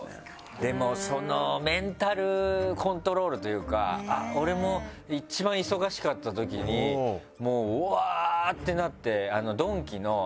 でもメンタルコントロールというか俺も一番忙しかったときにうわぁってなって。